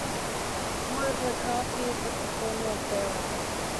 Moreover the car appears at the corner at daylight.